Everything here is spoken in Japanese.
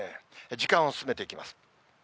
時間を進めていきます。